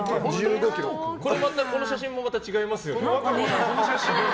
この写真もまた違いますよね。